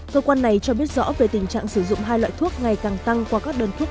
cơ quan này cho biết rõ về tình trạng sử dụng hai loại thuốc ngày càng tăng qua các đơn thuốc